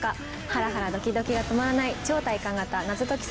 ハラハラドキドキが止まらない超体感型謎解き